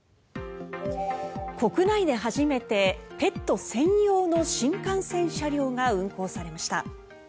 国内で初めてペット専用の新幹線車両が運行されました。